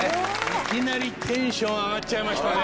いきなりテンション上がっちゃいましたね。